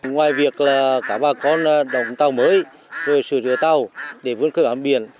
ngoài việc là cả bà con đồng tàu mới rồi sửa tàu để vươn cơ bản biển